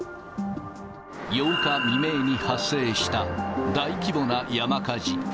８日未明に発生した大規模な山火事。